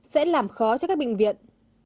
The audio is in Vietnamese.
sẽ làm khó cho các bệnh viện